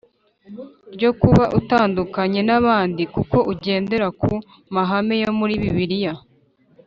Ryo kuba atandukanye n abandi kuko agendera ku mahame yo muri bibiliya